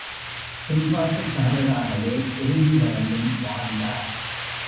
பின்பாட்டுக் காரராகவே இறுதி வரையும் வாழ்ந்தார்.